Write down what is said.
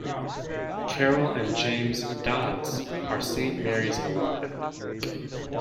Carol and James Dodds are Saint Mary's alumni.